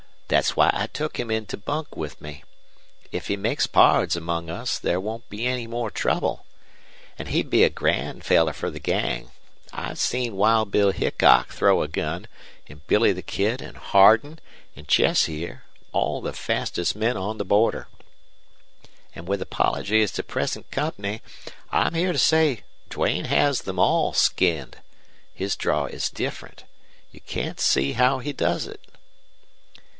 Thet's why I took him in to bunk with me. If he makes pards among us there won't be any more trouble. An' he'd be a grand feller fer the gang. I've seen Wild Bill Hickok throw a gun, an' Billy the Kid, an' Hardin, an' Chess here all the fastest men on the border. An' with apologies to present company, I'm here to say Duane has them all skinned. His draw is different. You can't see how he does it."